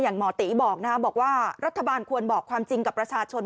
หมอตีบอกนะครับบอกว่ารัฐบาลควรบอกความจริงกับประชาชน